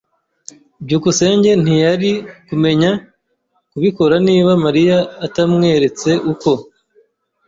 byukusenge ntiyari kumenya kubikora niba Mariya atamweretse uko.